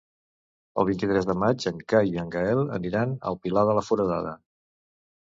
El vint-i-tres de maig en Cai i en Gaël aniran al Pilar de la Foradada.